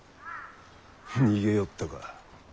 逃げよったか。